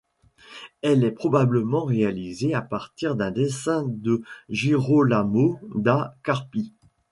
Elle est probablement réalisée à partir d’un dessin de Girolamo da Carpi.